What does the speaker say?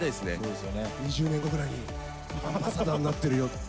２０年後ぐらいにアンバサダーなってるよ。